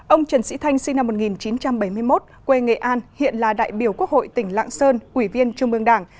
ông trần sĩ thanh sinh năm một nghìn chín trăm bảy mươi một quê nghệ an hiện là đại biểu quốc hội tỉnh lạng sơn ủy viên trung ương đảng